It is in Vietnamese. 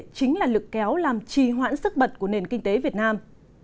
chính là lực kéo làm trì hoãn sức bật của nền kinh tế việt nam